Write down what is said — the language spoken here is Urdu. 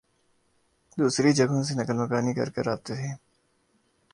دوسری جگہوں سے نقل مکانی کرکے آتے ہیں